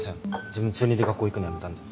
自分中二で学校行くのやめたんで。